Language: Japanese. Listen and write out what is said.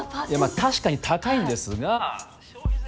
確かに高いんですが消費税が。